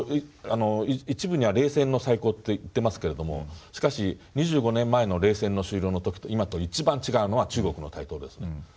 一部には冷戦の再興と言ってますけれどもしかし２５年前の冷戦終了の時と今と一番違うのは中国の台頭ですね。